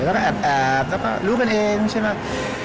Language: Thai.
แล้วก็รู้กันเองใช่ไหม